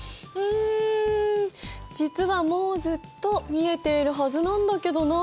ん実はもうずっと見えているはずなんだけどなあ。